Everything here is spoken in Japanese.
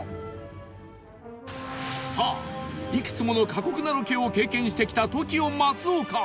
さあいくつもの過酷なロケを経験してきた ＴＯＫＩＯ 松岡